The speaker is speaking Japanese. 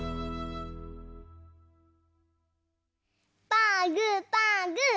パーグーパーグー。